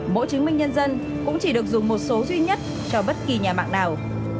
mỗi chứng minh nhân dân cũng chỉ được dùng một số duy nhất cho bất kỳ nhà mạng nào